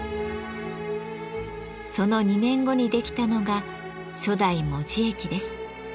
その２年後にできたのが初代門司駅です。